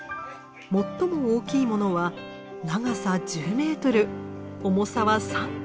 最も大きいものは長さ１０メートル重さは３トンにもなります。